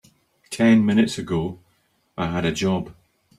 Ten minutes ago I had a job.